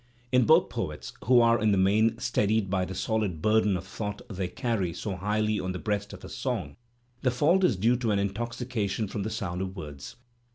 In both poets, who are in the main steadied by the sohd burden of thought they carry so highly on the breast of song, the fault is due to an intoxi cation from the sound of words.